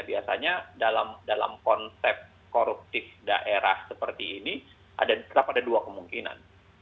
biasanya dalam konsep koruptif daerah seperti ini tetap ada dua kemungkinan